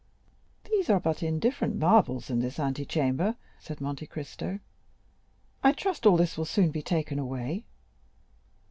"These are but indifferent marbles in this antechamber," said Monte Cristo. "I trust all this will soon be taken away."